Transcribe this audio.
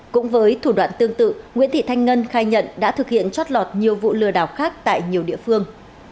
cũng với thủ đoạn tương tự nguyễn thị thanh ngân khai nhận đã thực hiện trót lọt nhiều vụ lừa đảo khác tại nhiều địa phương